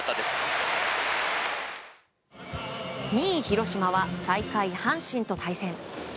２位、広島は最下位、阪神と対戦。